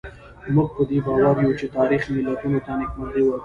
موږ په دې باور یو چې تاریخ ملتونو ته نېکمرغي ورکوي.